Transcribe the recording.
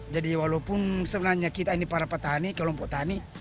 jadi walaupun sebenarnya kita ini para petani kelompok petani